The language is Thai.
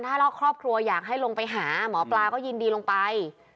ถ้าครอบครัวอยากให้ลงไปหาหมอปลาก็ยินดีลงไป